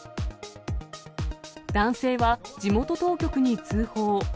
男性は地元当局に通報。